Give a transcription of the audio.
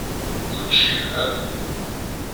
D učči yelhan.